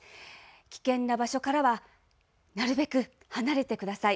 危険な場所からはなるべく離れてください。